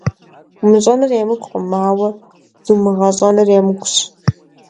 Умыщӏэныр емыкӏукъым, ауэ зумыгъэщӏэныр емыкӏущ.